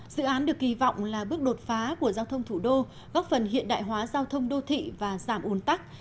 dự án được kỳ vọng là bước đột phá của giao thông thủ đô góp phần hiện đại hóa giao thông đô thị và giảm ồn tắc